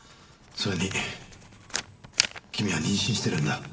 それに君は妊娠してるんだ。